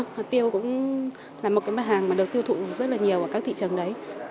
hạt tiêu cũng là một mặt hàng được tiêu thụ rất nhiều ở các thị trường đấy